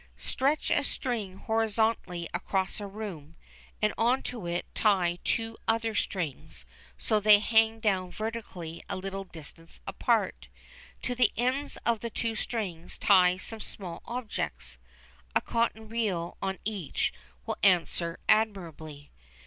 Stretch a string horizontally across a room and on to it tie two other strings so that they hang down vertically a little distance apart. To the ends of the two strings tie some small objects a cotton reel on each will answer admirably.